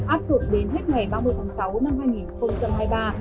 áp dụng đến hết ngày ba mươi tháng sáu năm hai nghìn hai mươi ba